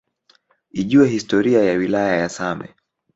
Ijue historia ya wilaya ya same